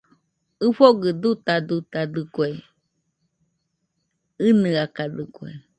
ɨfogɨ dutadutadɨkue, ɨnɨakadɨkue